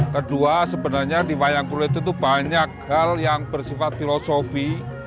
kedua sebenarnya di wayang kulit itu banyak hal yang bersifat filosofi